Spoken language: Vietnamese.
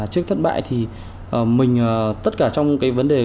trước thất bại thì mình tất cả trong cái vấn đề